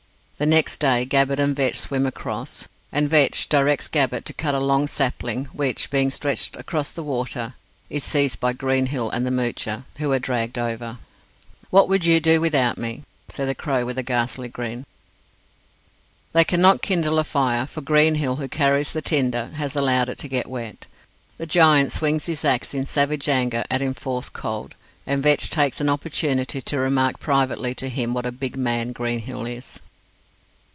The next day Gabbett and Vetch swim across, and Vetch directs Gabbett to cut a long sapling, which, being stretched across the water, is seized by Greenhill and the Moocher, who are dragged over. "What would you do without me?" said the Crow with a ghastly grin. They cannot kindle a fire, for Greenhill, who carries the tinder, has allowed it to get wet. The giant swings his axe in savage anger at enforced cold, and Vetch takes an opportunity to remark privately to him what a big man Greenhill is.